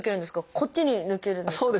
こっちに抜けるんですか？